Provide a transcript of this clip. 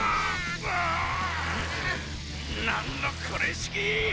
なんのこれしき！